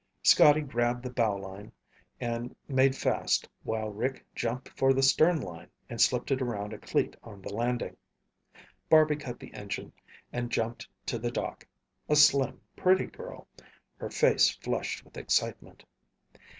Scotty grabbed the bow line and made fast while Rick jumped for the stern line and slipped it around a cleat on the landing. Barby cut the engine and jumped to the dock, a slim, pretty girl, her face flushed with excitement.